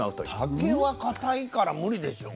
竹はかたいから無理でしょう。